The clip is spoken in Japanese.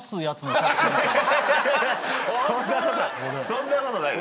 そんなことない。